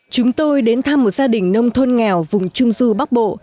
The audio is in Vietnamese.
chúng tôi đến thăm một gia đình nông thôn nghèo vùng trung du bắc bộ